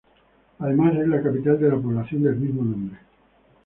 Además es la capital de la población del mismo nombre.